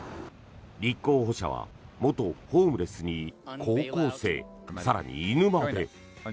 立候補者は元ホームレスに高校生更に、犬まで。